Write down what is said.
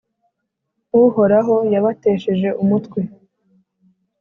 Uhoraho yabatesheje umutwe,